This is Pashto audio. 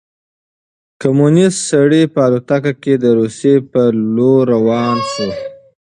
کمونیست سړی په الوتکه کې د روسيې په لور روان شو.